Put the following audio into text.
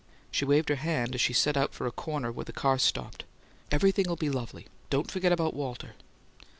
She waved her hand, as she set out for a corner where the cars stopped. "Everything'll be lovely. Don't forget about Walter."